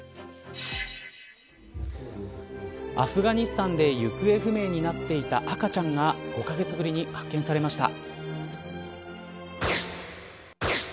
アフガニスタンで行方不明になっていた赤ちゃんが５カ月ぶりに発見されました。